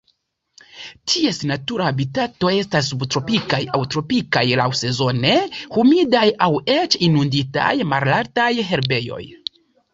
Ties natura habitato estas subtropikaj aŭ tropikaj laŭsezone humidaj aŭ eĉ inunditaj malaltaj herbejoj.